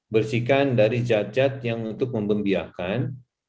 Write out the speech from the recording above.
bersihkan dari zat zat yang untuk membiarkan